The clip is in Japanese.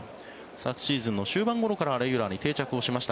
昨シーズンの終盤ごろからレギュラーに定着をしました